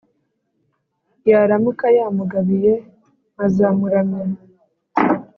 yaramuka yamugabiye nkazamuramya.